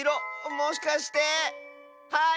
もしかして⁉はい！